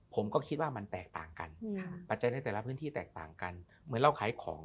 ผมก็คิดว่ามันแตกต่างกันปัจจัยในแต่ละพื้นที่แตกต่างกันเหมือนเราขายของ